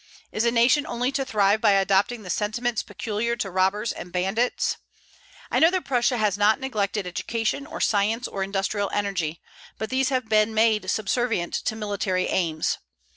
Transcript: Is a nation only to thrive by adopting the sentiments peculiar to robbers and bandits? I know that Prussia has not neglected education, or science, or industrial energy; but these have been made subservient to military aims.